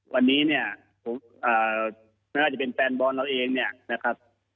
วันนี้เนี่ยมันก็จะเป็นแฟนบอลเราเองนะครับ